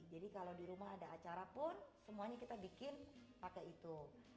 jadi kalau di rumah ada acara pun semuanya kita bikin pakai itu